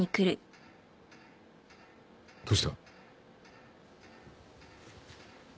どうした？